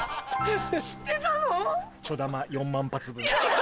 知ってたの？